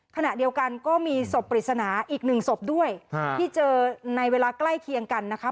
ขณะเดียวกันก็มีศพปริศนาอีกหนึ่งศพด้วยที่เจอในเวลาใกล้เคียงกันนะคะ